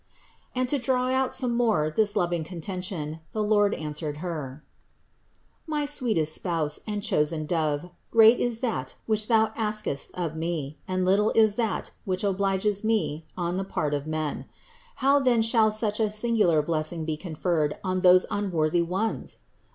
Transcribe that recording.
And to draw out still more this loving contention, the Lord answered Her: "My sweetest Spouse and chosen Dove, great is that which thou askest of Me and little is that which obliges Me on the part of men ; how then shall such a singular blessing be conferred on those unworthy ones?